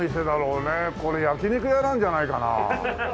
これ焼き肉屋なんじゃないかな？